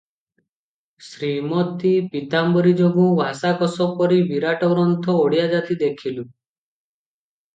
ଶ୍ରୀମତୀ ପୀତାମ୍ବରୀ ଯୋଗୁଁ ଭାଷାକୋଷ ପରି ବିରାଟ ଗ୍ରନ୍ଥ ଓଡ଼ିଆ ଜାତି ଦେଖୂଲା ।